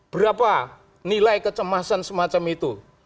berapa nilai kecemasan semacam itu